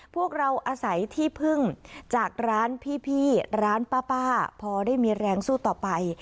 พวกเราอาศัยที่พึ่งจากร้านพี่ร้านป้าพอได้มีแรงสู้ต่อไป